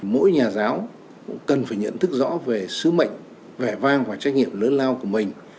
mỗi nhà giáo cũng cần phải nhận thức rõ về sứ mệnh vẻ vang và trách nhiệm lớn lao của mình